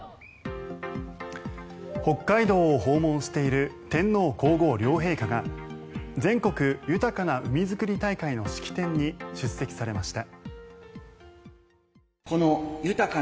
北海道を訪問している天皇・皇后両陛下が全国豊かな海づくり大会の式典に出席されました。